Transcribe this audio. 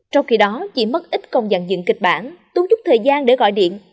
trong khi đó chỉ mất ít còn dàn dựng kịch bản tốn chút thời gian để gọi điện